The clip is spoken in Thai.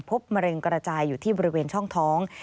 มะเร็งกระจายอยู่ที่บริเวณช่องท้อง